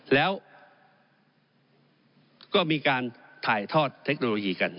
แล้วก็มีการถ่ายทอดเทคโนโลยีกัน